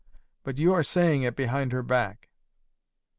But you are saying it behind her back."